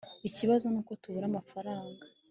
ikibazo nuko tubura amafaranga